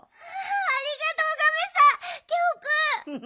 ありがとうガメさんギャオくん。